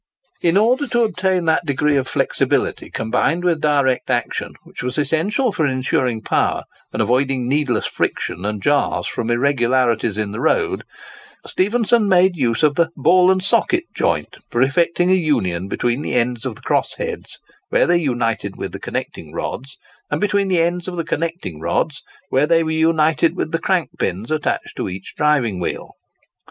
In order to obtain that degree of flexibility combined with direct action, which was essential for ensuring power and avoiding needless friction and jars from irregularities in the road, Stephenson made use of the "ball and socket" joint for effecting a union between the ends of the cross heads where they united with the connecting rods, and between the ends of the connecting rods where they were united with the crank pins attached to each driving wheel.